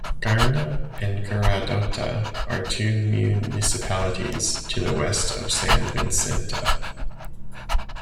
Guarne and Girardota are two municipalities to the West of San Vicente.